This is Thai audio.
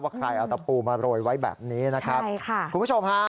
ว่าใครเอาตะปูมาโรยไว้แบบนี้นะครับคุณผู้ชมค่ะใช่ค่ะ